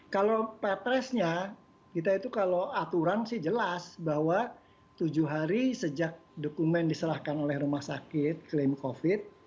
kalau petresnya kita itu kalau aturan sih jelas bahwa tujuh hari sejak dokumen diserahkan oleh rumah sakit klaim covid